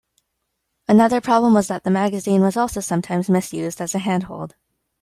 Another problem was that the magazine was also sometimes misused as a handhold.